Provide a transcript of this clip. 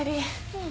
うん。